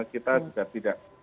kita juga tidak